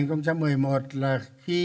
năm hai nghìn một mươi một là khi